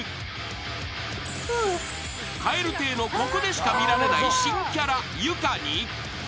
［蛙亭のここでしか見られない新キャラユカに］